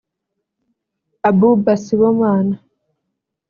Abouba Sibomana